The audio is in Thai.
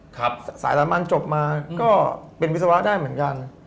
กลับมาก็กว่าเยาที่จะเป็นวิศวกรภาษณ์ได้